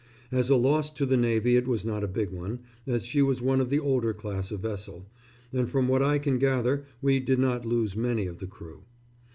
As a loss to the Navy it was not a big one, as she was one of the older class of vessel, and from what I can gather we did not lose many of the crew....